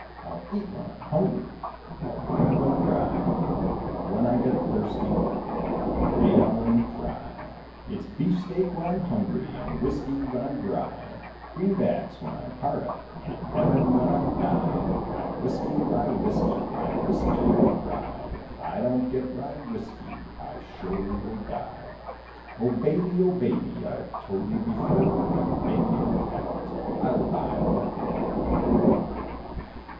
I'll eat when I'm hungry, I'll drink when I'm dry, And when I get thirsty I'll lay down and cry. It's beefsteak when I'm hungry, And whiskey when I'm dry, Greenbacks when I'm hard up, And heaven when I die. Rye whiskey, rye whiskey, Rye whiskey I cry, If I don't get rye whiskey, I surely will die. O Baby, O Baby, I've told you before, Do make me a pallet, I'll lie on the floor.